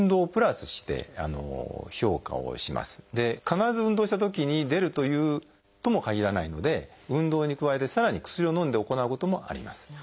必ず運動したときに出るともかぎらないので運動に加えてさらに薬を飲んで行うこともあります。